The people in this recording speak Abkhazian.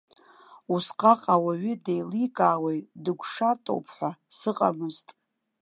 Усҟак ауаҩы деиликаауеит, дыгәшаҭоуп ҳәа сыҟамызт.